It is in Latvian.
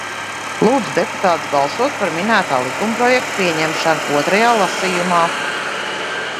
Lūdzu deputātus balsot par minētā likumprojekta pieņemšanu otrajā lasījumā!